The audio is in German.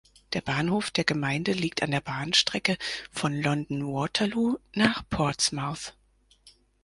Der Bahnhof der Gemeinde liegt an der Bahnstrecke von London Waterloo nach Portsmouth.